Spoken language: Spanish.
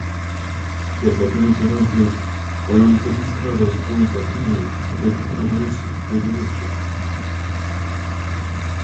Las mayores ganancias fueron registradas por el Partido del Progreso de derecha.